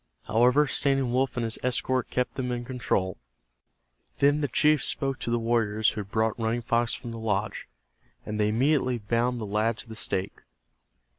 However, Standing Wolf and his escort kept them in control. Then the chief spoke to the warriors who had brought Running Fox from the lodge, and they immediately bound the lad to the stake.